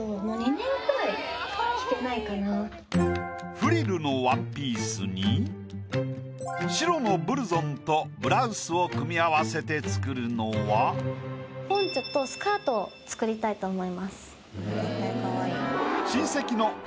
フリルのワンピースに白のブルゾンとブラウスを組み合わせて作るのは？を作りたいと思います。